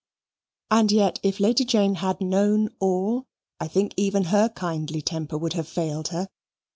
And yet, if Lady Jane had known all, I think even her kindly temper would have failed her.